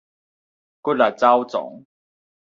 骨力走傱